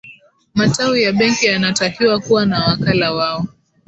matawi ya benki yanatakiwa kuwa na wakala wao